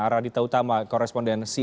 aradita utama koresponden cnn indonesia